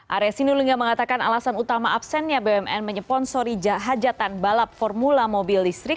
arya sinulinga mengatakan alasan utama absennya bumn menyeponsori hajatan balap formula mobil listrik